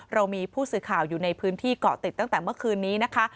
เรามีผู้สื่อข่าวอยู่ในพื้นที่เกาะติดตั้งแต่เมื่อคืนนี้นะคะ